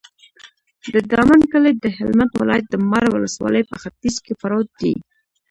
د دامن کلی د هلمند ولایت، د مار ولسوالي په ختیځ کې پروت دی.